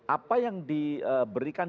apa yang diberikan